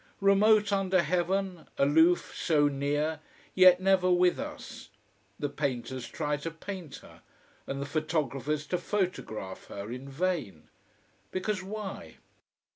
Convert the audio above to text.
Remote under heaven, aloof, so near, yet never with us. The painters try to paint her, and the photographers to photograph her, in vain. Because why?